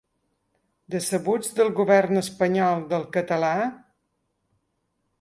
Decebuts del govern espanyol, del català?